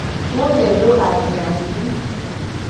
Wo le do azia ngku.